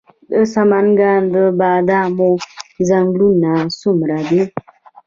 د سمنګان د بادامو ځنګلونه څومره دي؟